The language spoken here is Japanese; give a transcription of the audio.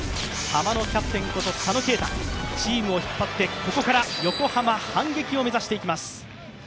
ハマのキャプテンこと佐野恵太、チームを引っ張ってここから横浜、反撃を目指していきます。